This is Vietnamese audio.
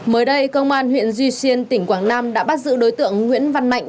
mới đây công an huyện duy xuyên tỉnh quảng nam đã bắt giữ đối tượng nguyễn văn mạnh